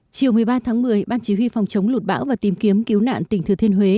chiều một mươi ba tháng một mươi ban chỉ huy phòng chống lụt bão và tìm kiếm cứu nạn tỉnh thừa thiên huế